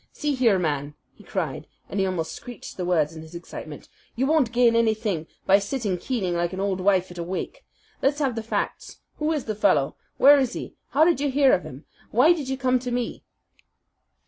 "See here, man," he cried, and he almost screeched the words in his excitement, "you won't gain anything by sitting keening like an old wife at a wake. Let's have the facts. Who is the fellow? Where is he? How did you hear of him? Why did you come to me?"